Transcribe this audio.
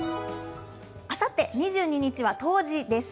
あさって２２日は冬至です。